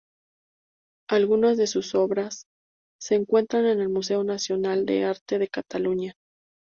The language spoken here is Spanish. Algunas de sus obras se encuentran en el Museo Nacional de Arte de Cataluña.